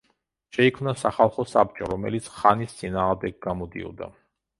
შეიქმნა სახალხო საბჭო, რომელიც ხანის წინააღმდეგ გამოდიოდა.